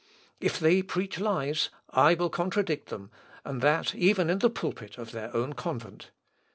If they preach lies I will contradict them, and that even in the pulpit of their own convent.